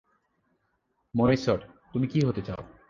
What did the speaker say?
মরিসট, তুমি কী হতে চাও?